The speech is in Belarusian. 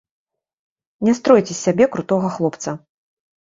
Не стройце з сябе крутога хлопца.